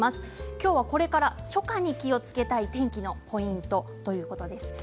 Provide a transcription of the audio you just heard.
今日は、これから初夏に気をつけたい天気のポイントです。